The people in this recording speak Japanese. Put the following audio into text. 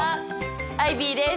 アイビーです。